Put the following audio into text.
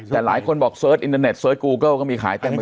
แต่หลายคนบอกเสิร์ชอินเทอร์เน็ตเสิร์ชกูเกิลก็มีขายเต็มไป